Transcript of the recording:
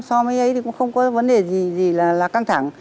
so với ấy thì cũng không có vấn đề gì gì là căng thẳng